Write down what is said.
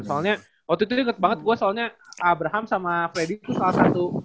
soalnya waktu itu gue banget soalnya abraham sama freddy tuh salah satu